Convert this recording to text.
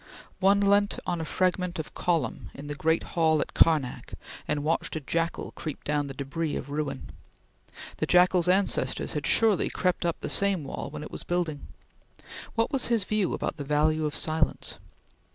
One leant on a fragment of column in the great hall at Karnak and watched a jackal creep down the debris of ruin. The jackal's ancestors had surely crept up the same wall when it was building. What was his view about the value of silence?